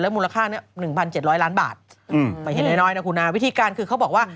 มูลค่านี้๑๗๐๐ล้านบาทไปเห็นน้อยนะคุณฮะวิธีการคือเขาบอกว่า